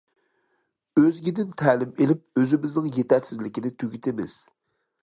ئۆزگىدىن تەلىم ئېلىپ، ئۆزىمىزنىڭ يېتەرسىزلىكىنى تۈگىتىمىز.